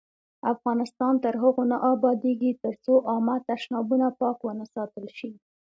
افغانستان تر هغو نه ابادیږي، ترڅو عامه تشنابونه پاک ونه ساتل شي.